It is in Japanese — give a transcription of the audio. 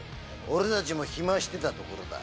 俺たちも暇してたところだ。